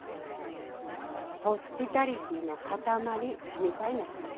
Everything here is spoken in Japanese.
ホスピタリティーの塊みたいな人。